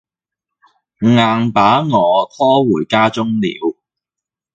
硬把我拖回家中了。